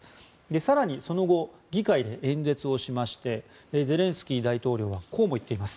更にその後議会で演説をしましてゼレンスキー大統領はこうも言っています。